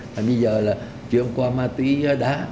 mà bây giờ là chuyển qua ma túy đá